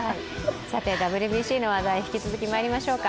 さて、ＷＢＣの話題、引き続きまいりましょうか。